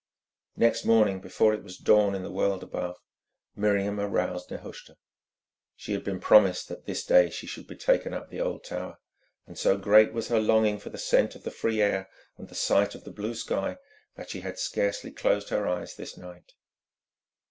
Next morning, before it was dawn in the world above, Miriam aroused Nehushta. She had been promised that this day she should be taken up the Old Tower, and so great was her longing for the scent of the free air and the sight of the blue sky that she had scarcely closed her eyes this night.